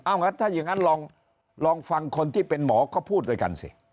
งั้นถ้าอย่างนั้นลองฟังคนที่เป็นหมอก็พูดด้วยกันสิ